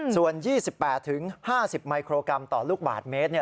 ส่วน๒๘๕๐มิโครกรัมต่อลูกบาทเมตร